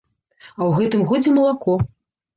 А ў гэтым годзе малако.